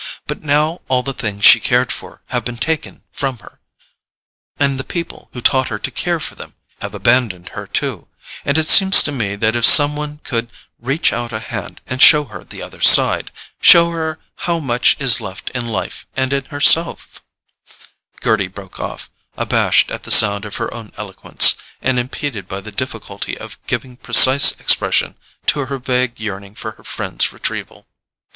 But now all the things she cared for have been taken from her, and the people who taught her to care for them have abandoned her too; and it seems to me that if some one could reach out a hand and show her the other side—show her how much is left in life and in herself——" Gerty broke off, abashed at the sound of her own eloquence, and impeded by the difficulty of giving precise expression to her vague yearning for her friend's retrieval.